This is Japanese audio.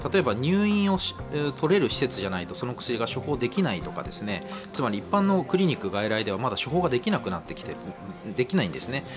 入院をとれる施設じゃないとその薬を処方できないとかつまり一般のクリニック、外来ではまだ処方ができないんですね。